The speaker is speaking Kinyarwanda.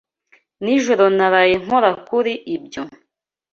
Nijoro naraye nkora kuri ibyo.